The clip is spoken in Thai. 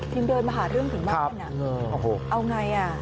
ทีมเดินมาหาเรื่องถึงบ้านนะเอาอย่างไร